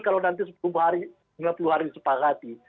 kalau nanti sembilan puluh hari disepakati